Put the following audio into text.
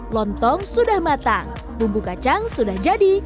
lontong sudah matang bumbu kacang sudah jadi